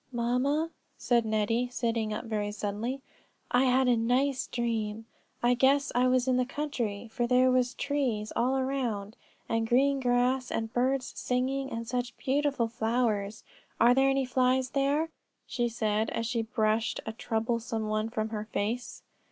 "Mamma," said Nettie, sitting up very suddenly, "I had a nice dream; I guess I was in the country, for there were trees all around, and green grass, and birds singing; and such beautiful flowers! Are there any flies there?" she said, as she brushed a troublesome one from her face.